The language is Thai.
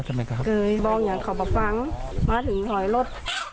เคยบอกอย่างเขามาฟังมาถึงถอยรถ